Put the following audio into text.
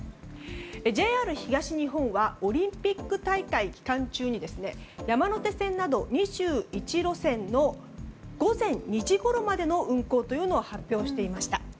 ＪＲ東日本はオリンピック大会期間中に山手線など２１路線の午前２時ごろまでの運行を発表していました。